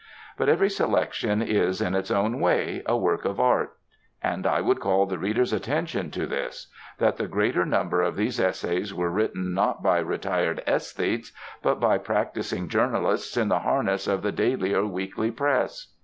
But every selection is, in its own way, a work of art. And I would call the reader's attention to this: that the greater number of these essays were written not by retired æsthetes, but by practising journalists in the harness of the daily or weekly press.